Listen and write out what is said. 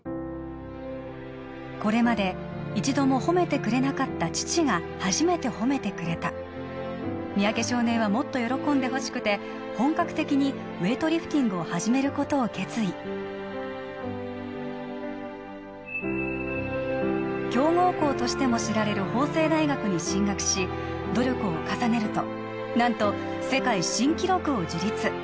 これまで一度も褒めてくれなかった父が初めて褒めてくれた三宅少年はもっと喜んでほしくて本格的にウエイトリフティングを始めることを決意強豪校としても知られる法政大学に進学し努力を重ねると何と世界新記録を樹立